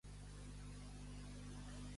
A les vellors.